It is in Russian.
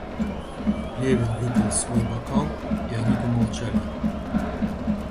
Левин выпил свой бокал, и они помолчали.